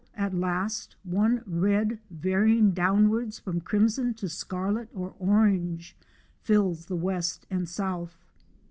at last one red, varying downwards from crimson to scarlet or orange fills the west and south.